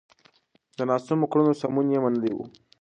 د ناسمو کړنو سمون يې منلی و.